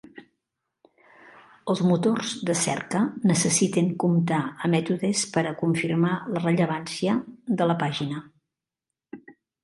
Els motors de cerca necessiten comptar a mètodes per a confirmar la rellevància de la pàgina.